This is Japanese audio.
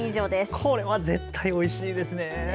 これは絶対おいしいですね。